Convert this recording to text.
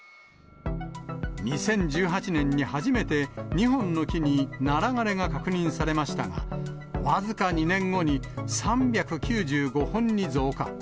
２０１８年に初めて２本の木にナラ枯れが確認されましたが、僅か２年後に、３９５本に増加。